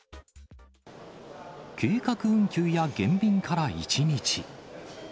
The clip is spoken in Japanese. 計画運休や減便から１日。